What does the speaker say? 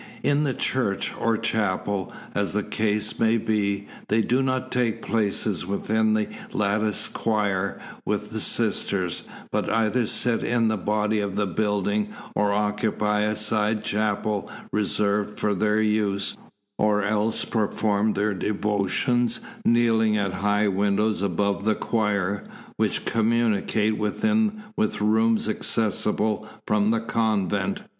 In the church, or chapel, as the case may be, they do not take places within the latticed choir with the sisters, but either sit in the body of the building, or occupy a side chapel reserved for their use, or else perform their devotions kneeling at high windows above the choir, which communicate within with rooms accessible from the convent.